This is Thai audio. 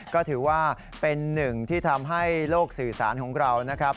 ก็ถือว่าเป็นหนึ่งที่ทำให้โลกสื่อสารของเรานะครับ